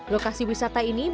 lokasi wisata ini berbeda